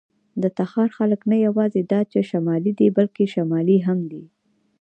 د تخار خلک نه یواځې دا چې شمالي دي، بلکې شمالي هم دي.